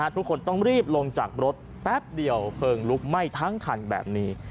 ทุกคนต้องรีบลงจากรถแป๊บเดียวเพลิงลุกไหม้ทั้งคันแบบนี้